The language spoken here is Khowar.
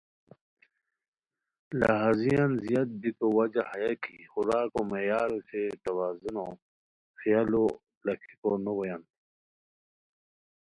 لہازیان زیاد بیکو وجہ ہیہ کی خوراکو معیارو چھے توازنو خیالو لکھیکو نو بویان۔